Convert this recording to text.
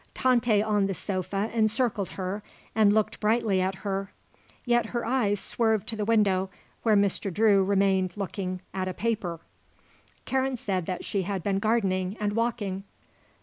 Tante on the sofa encircled her and looked brightly at her; yet her eye swerved to the window where Mr. Drew remained looking at a paper. Karen said that she had been gardening and walking.